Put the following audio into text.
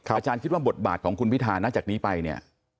อาจารย์คิดว่าบทบาทของคุณพิธานะจากนี้ไปเนี่ย